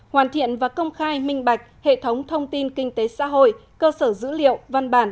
hoàn thiện và công khai minh bạch hệ thống thông tin kinh tế xã hội cơ sở dữ liệu văn bản